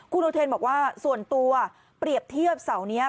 คุณอุเทนบอกว่าส่วนตัวเปรียบเทียบเสานี้